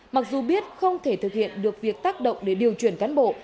mặc dù biết không thể thực hiện được việc tác động để điều chuyển cán bộ